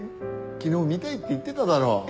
昨日「見たい」って言ってただろ？